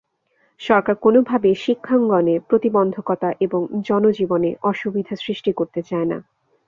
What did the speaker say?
সরকার কোনোভাবেই শিক্ষাঙ্গনে প্রতিবন্ধকতা এবং জনজীবনে অসুবিধা সৃষ্টি করতে চায় না।